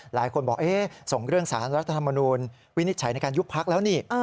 หลายคนบอกส่งเรื่องสารรัฐธรรมนูลวินิจฉัยในการยุบพักแล้วนี่